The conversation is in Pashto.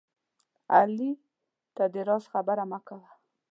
علي ته د راز خبره مه کوه